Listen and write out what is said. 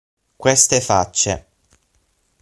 Queste facce.